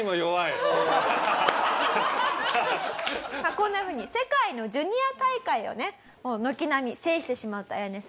こんなふうに世界のジュニア大会をね軒並み制してしまったアヤネさん。